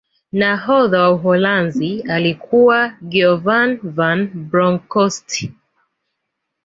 nahodha wa uholanzi alikuwa giovan van bronkhost